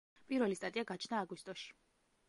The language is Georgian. პირველი სტატია გაჩნდა აგვისტოში.